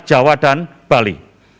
jawa dan bali